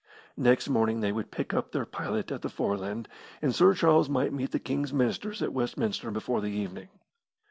Next morning they would pick up their pilot at the Foreland, and Sir Charles might meet the King's ministers at Westminster before the evening.